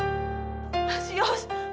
eh jangan dong tante